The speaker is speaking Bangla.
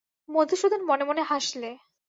মধুসূদন মনে মনে হাসলে।